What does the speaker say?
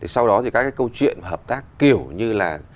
sau đó thì các cái câu chuyện hợp tác kiểu như là